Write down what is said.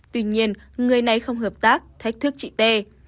tuy nhiên người này không hợp tác thách thức chị t